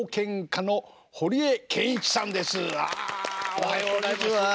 おはようございます。